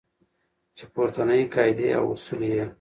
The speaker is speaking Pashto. چې پورتنۍ قاعدې او اصول یې